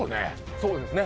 そうですね